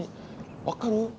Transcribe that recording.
分かる？